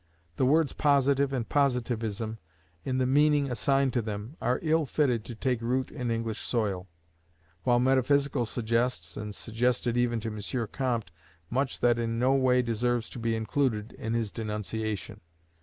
The words Positive and Positivism, in the meaning assigned to them, are ill fitted to take, root in English soil; while Metaphysical suggests, and suggested even to M. Comte, much that in no way deserves to be included in his denunciation.